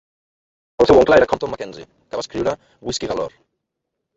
El seu oncle era Compton MacKenzie, que va escriure "Whisky Galore".